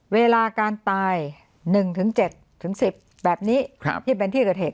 เวลาการตายหนึ่งถึงเจ็ดถึงสิบแบบนี้ครับที่เป็นที่เกิดเหตุ